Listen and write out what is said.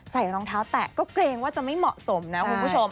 รองเท้าแตะก็เกรงว่าจะไม่เหมาะสมนะคุณผู้ชม